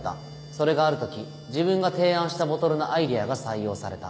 それがある時自分が提案したボトルのアイデアが採用された。